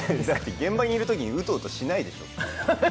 現場にいるときにうとうとしないでしょう。